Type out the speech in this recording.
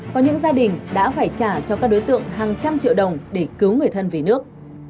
có những gia đình đã phải trả cho các đối tượng hàng trăm triệu đồng để cứu người thân về nước